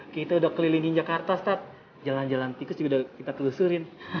kita sudah keliling jakarta ustadz jalan jalan tikus juga kita telusuri